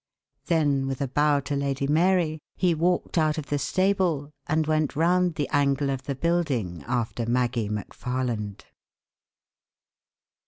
Then, with a bow to Lady Mary, he walked out of the stable and went round the angle of the building after Maggie McFarland.